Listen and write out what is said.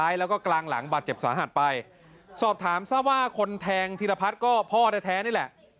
แล้วก็กลางหลังบาดเจ็บสาหัสไปสอบถามทราบว่าคนแทงธีรพัฒน์ก็พ่อแท้นี่แหละ